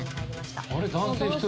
あれ男性１人？